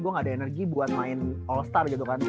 gue gak ada energi buat main all star gitu kan